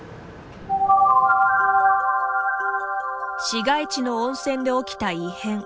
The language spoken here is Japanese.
市街地の温泉で起きた異変。